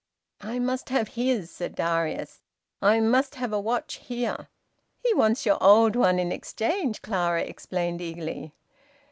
"I must have his," said Darius. "I must have a watch here." "He wants your old one in exchange," Clara explained eagerly.